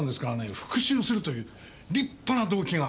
復讐するという立派な動機があります。